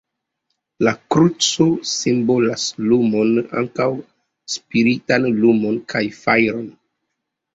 La kruco simbolas lumon, ankaŭ spiritan lumon, kaj fajron.